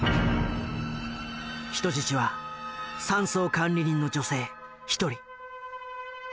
人質は山荘管理人の女性１人。